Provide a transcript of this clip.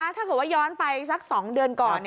ถ้าเกิดว่าย้อนไปสัก๒เดือนก่อน